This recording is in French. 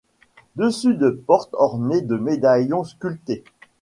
Dessus de porte orné de médaillons sculptés.